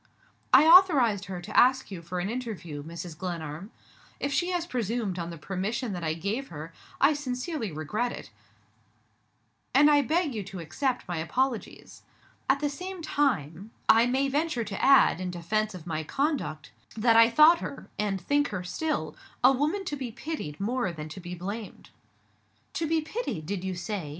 "I authorized her to ask you for an interview, Mrs. Glenarm. If she has presumed on the permission that I gave her, I sincerely regret it, and I beg you to accept my apologies. At the same time, I may venture to add, in defense of my conduct, that I thought her and think her still a woman to be pitied more than to be blamed." "To be pitied did you say?"